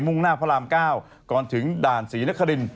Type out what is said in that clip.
่งหน้าพระราม๙ก่อนถึงด่านศรีนคริน